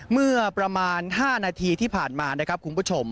เมื่อประมาณ๕นาทีที่ผ่านมานะครับคุณผู้ชม